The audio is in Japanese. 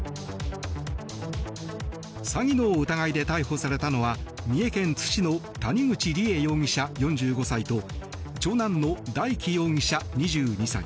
詐欺の疑いで逮捕されたのは三重県津市の谷口梨恵容疑者４５歳と長男の大祈容疑者、２２歳。